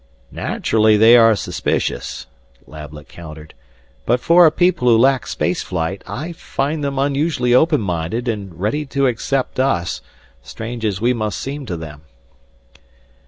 "Naturally they are suspicious," Lablet countered, "but for a people who lack space flight, I find them unusually open minded and ready to accept us, strange as we must seem to them."